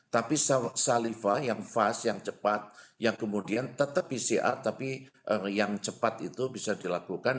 tapi saliva yang cepat yang kemudian tetap pcr tapi yang cepat itu bisa dilakukan